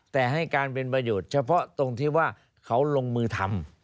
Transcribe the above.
แต่ให้การเป็นประโยชน์เฉพาะตรงที่ว่าเขาลงมือทำ